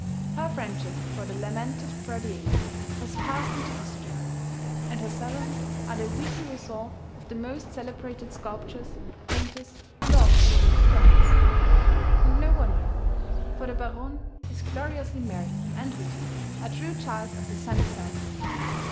Her friendship for the lamented Pradier has passed into history, and her salons are the weekly resort of the most celebrated sculptors, painters, and authors of France. And no wonder, for the Baronne is gloriously merry and witty, a true child of the sunny South.